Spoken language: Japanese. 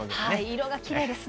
色がきれいですね。